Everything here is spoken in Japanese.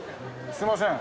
すいません。